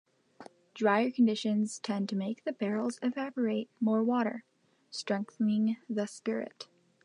Drier conditions tend to make the barrels evaporate more water, strengthening the spirit.